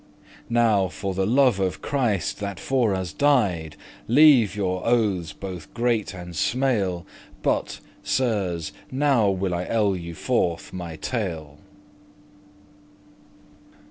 Now, for the love of Christ that for us died, Leave your oathes, bothe great and smale. But, Sirs, now will I ell you forth my tale.